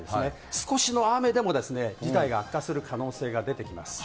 少しの雨でも事態が悪化する可能性が出てきます。